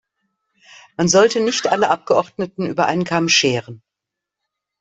Man sollte nicht alle Abgeordneten über einen Kamm scheren.